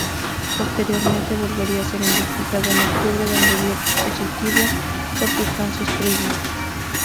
Posteriormente volvería a ser investigado en octubre donde dio positivo por sustancias prohibidas.